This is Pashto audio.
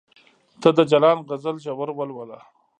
ته د جلان غزل ژور ولوله